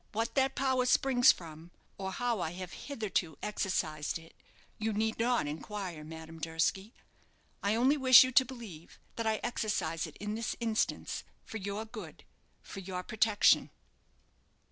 What that power springs from, or how I have hitherto exercised it, you need not inquire, Madame Durski; I only wish you to believe that I exercise it in this instance for your good, for your protection."